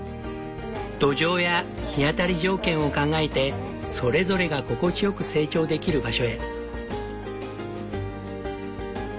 土壌や日当たり条件を考えてそれぞれが心地よく成長できる場所へ。